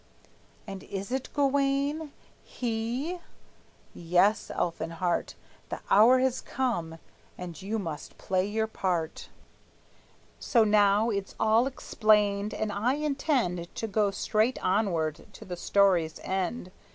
And is it Gawayne? He? Yes, Elfinhart, The hour has come, and you must play your part. So now it's all explained; and I intend To go straight onward to the story's end.